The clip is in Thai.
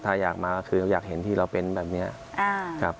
ถ้าอยากมาคือเราอยากเห็นที่เราเป็นแบบนี้ครับ